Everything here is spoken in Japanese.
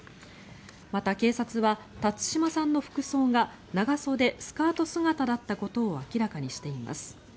また、警察は辰島さんの服装が長袖・スカート姿だったことを明らかにしています。